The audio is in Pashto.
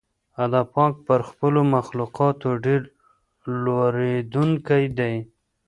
الله پاک پر خپلو مخلوقاتو ډېر لورېدونکی دی.